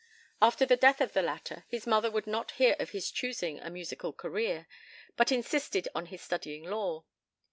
After the death of the latter, his mother would not hear of his choosing a musical career, but insisted on his studying law.